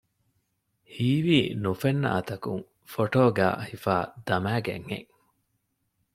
ހީވީ ނުފެންނަ އަތަކުން ފޮޓޯގައި ހިފައި ދަމައިގަތްހެން